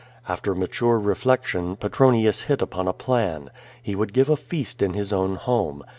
After mature reflection, Petronius hit upon a ])lan. lie would give a feast in his own homo.